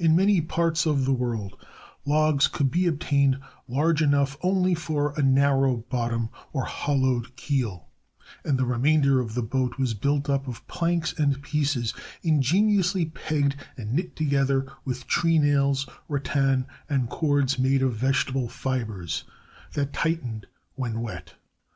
In many parts of the world logs could be obtained large enough only for a narrow bottom or hollowed keel, and the remainder of the boat was built up of planks and pieces ingeniously pegged and knit together with treenails, ratan, and cords made of vegetable fibers that tightened when wet.